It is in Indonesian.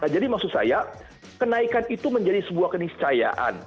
jadi maksud saya kenaikan itu menjadi sebuah keniscayaan